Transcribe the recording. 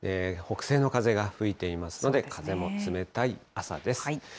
北西の風が吹いていますので、風も冷たい朝です。